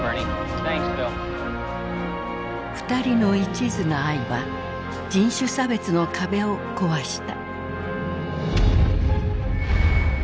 二人のいちずな愛は人種差別の壁を壊した。